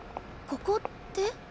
ここって？